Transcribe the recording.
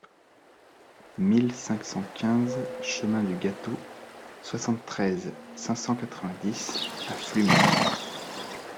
mille cinq cent quinze chemin du Gâteau, soixante-treize, cinq cent quatre-vingt-dix à Flumet